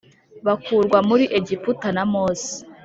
bakurwa muri egiputa na Mose.